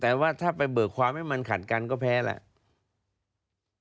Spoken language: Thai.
แต่ว่าถ้าไปเบิกความให้มันขัดกันก็แพ้แล้ว